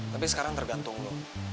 tapi sekarang tergantung lo